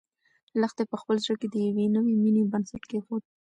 لښتې په خپل زړه کې د یوې نوې مېنې بنسټ کېښود.